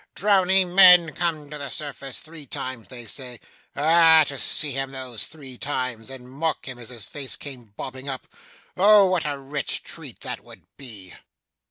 Drowning men come to the surface three times they say. Ah! To see him those three times, and mock him as his face came bobbing up, oh, what a rich treat that would be!